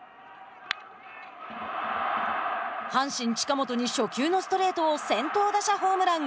阪神近本に初球のストレートを先頭打者ホームラン。